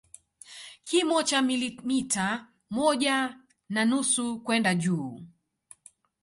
Kimo cha milimita moja na nusu kwenda juu